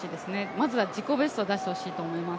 まずは自己ベストを出してほしいと思います。